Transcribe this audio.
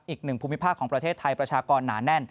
อีกหนึ่งภูมิภาคของประเทศไทยประชากรหนาแน่น